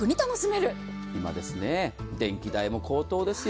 今ですね、電気代も高騰ですよ。